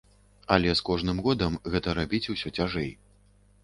Але з кожным годам гэта рабіць усё цяжэй.